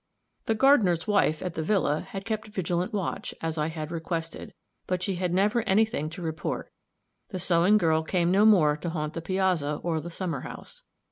The gardener's wife, at the villa, had kept vigilant watch, as I had requested, but she had never any thing to report the sewing girl came no more to haunt the piazza or the summer house.